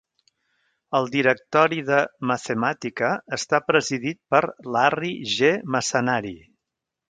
El directori de Mathematica està presidit per Larry G. Massanari.